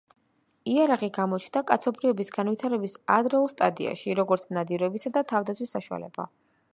იარაღი გაჩნდა კაცობრიობის განვითარების ადრეულ სტადიაში, როგორც ნადირობისა და თავდაცვის საშუალება.